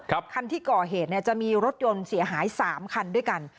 คันที่ก่อเหตุเนี่ยจะมีรถยนต์เสียหายสามคันด้วยกัน